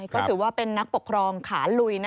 ก็ถือว่าเป็นนักปกครองขาลุย